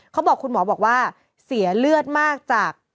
เขาบอกคุณหมอบอกว่าเสียเลือดมากจาก